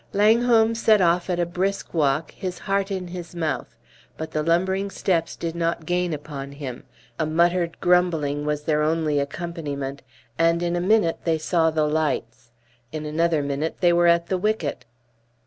Langholm set off at a brisk walk, his heart in his mouth. But the lumbering steps did not gain upon him; a muttered grumbling was their only accompaniment; and in minute they saw the lights. In another minute they were at the wicket.